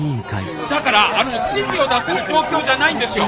だからあの指示を出せる状況じゃないんですよ。